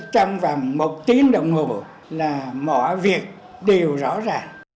trong vòng một tiếng đồng hồ là mọi việc đều rõ ràng